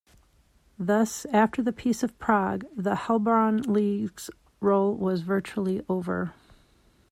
Thus, after the Peace of Prague, the Heilbronn League's role was virtually over.